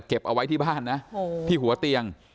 เอาไว้ที่บ้านนะที่หัวเตียง